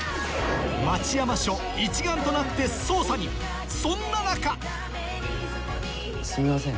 町山署一丸となって捜査にそんな中すみません